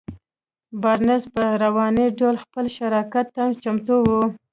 بارنس په رواني ډول خپل شراکت ته چمتو و.